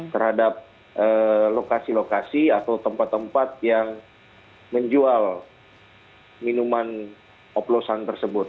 terhadap lokasi lokasi atau tempat tempat yang menjual minuman oplosan tersebut